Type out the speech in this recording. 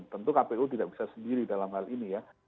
tentu kpu tidak bisa sendiri dalam hal ini ya